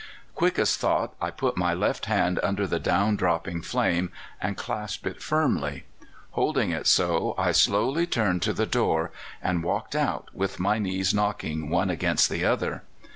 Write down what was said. "Quick as thought I put my left hand under the down dropping flame and clasped it firmly. Holding it so, I slowly turned to the door and walked out with my knees knocking one against the other.